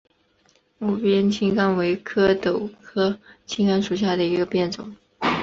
睦边青冈为壳斗科青冈属下的一个变种。